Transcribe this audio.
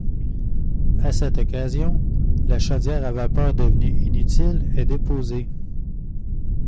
À cette occasion, la chaudière à vapeur devenue inutile est déposée.